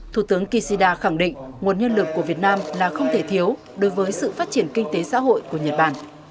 thủ tướng kishida khẳng định nguồn nhân lực của việt nam là không thể thiếu đối với sự phát triển kinh tế xã hội của nhật bản